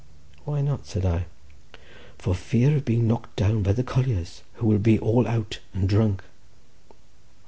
"Why not?" said I. "For fear of being knocked down by the colliers, who will be all out and drunk."